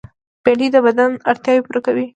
بېنډۍ د بدن اړتیاوې پوره کوي